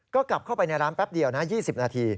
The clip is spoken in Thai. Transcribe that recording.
ก็กลับเข้าไปในร้านแป๊บเดียวนะ๒๐นาที